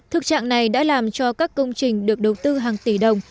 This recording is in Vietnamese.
thực trạng này đã làm cho các công trình được đầu tư hàng tỷ đồng